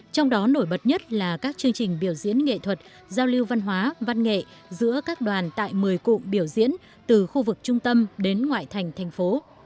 trong đó nổi bật nhất là các chương trình biểu diễn nghệ thuật giao lưu văn hóa văn nghệ giữa các đoàn tại một mươi cụm biểu diễn từ khu vực trung tâm đến ngoại thành thành phố